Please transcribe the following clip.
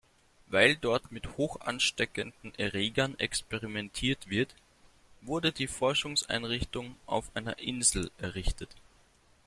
Weil dort mit hochansteckenden Erregern experimentiert wird, wurde die Forschungseinrichtung auf einer Insel errichtet.